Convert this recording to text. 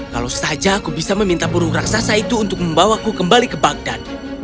kalau saja aku bisa meminta burung raksasa itu untuk membawaku kembali ke bagdan